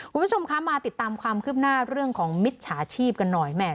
คุณผู้ชมคะมาติดตามความคืบหน้าเรื่องของมิจฉาชีพกันหน่อยแม่